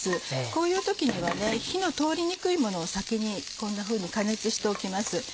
こういう時には火の通りにくいものを先にこんなふうに加熱しておきます。